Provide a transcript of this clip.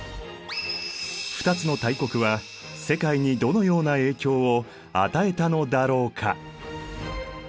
２つの大国は世界にどのような影響を与えたのだろうか？